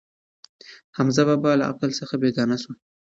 حمزه بابا له عقل څخه بېګانه شو.